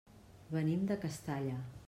Venim de Castalla.